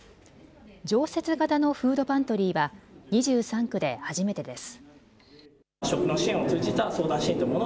常設型のフードパントリーは２３区で初めてです。